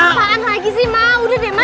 apaan lagi sih mak udah deh mak